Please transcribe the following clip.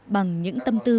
bằng những tâm tư